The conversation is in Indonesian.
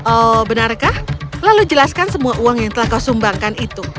oh benarkah lalu jelaskan semua uang yang telah kau sumbangkan itu